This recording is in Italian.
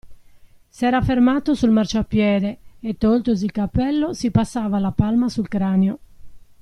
S'era fermato sul marciapiede e, toltosi il cappello, si passava la palma sul cranio.